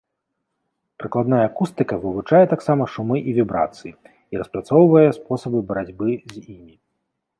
Прыкладная акустыка вывучае таксама шумы і вібрацыі і распрацоўвае спосабы барацьбы з імі.